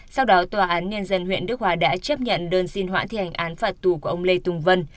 sau đó tòa án nhân dân huyện đức hòa đã chấp nhận đơn xin hoã thi hành án phạt tù của ông lê tùng vân